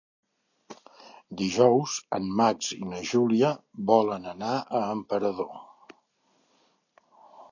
Dijous en Max i na Júlia volen anar a Emperador.